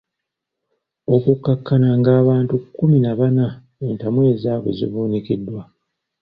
Okukkakkana ng'abantu kkumi na bana entamu ezaabwe zivuunikiddwa.